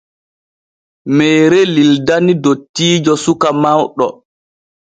Meere lildani dottiijo suka mawɗo.